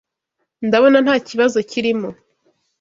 Ndabona ntakibazo kirimo